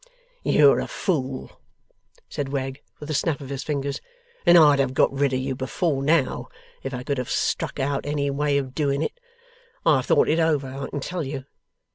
'You are a fool,' said Wegg, with a snap of his fingers, 'and I'd have got rid of you before now, if I could have struck out any way of doing it. I have thought it over, I can tell you.